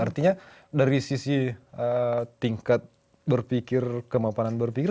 artinya dari sisi tingkat berpikir kemapanan berpikir